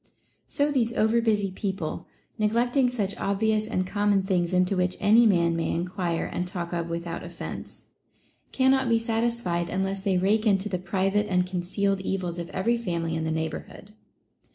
So these over busy people, neslectino• such obvious and common things into which any man may enquire and talk of without offence, cannot be satisfied unless they rake into the private and con cealed evils of every family in the neighborhood.